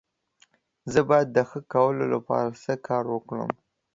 زه باید د ښه کولو لپاره څه کار وکړم؟